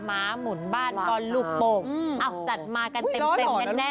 หมาหมุนบ้านบอลลูกโป่งจัดมากันเต็มแน่